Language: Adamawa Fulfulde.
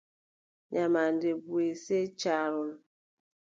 Nyamaande buʼe, sey caarol.